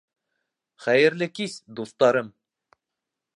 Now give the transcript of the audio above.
Хәйерле кис, дуҫтарым!